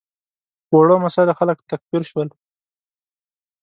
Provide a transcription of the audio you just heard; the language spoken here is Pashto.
په وړو مسایلو خلک تکفیر شول.